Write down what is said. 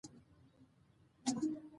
واک باید د خلکو د ګټو لپاره وکارول شي.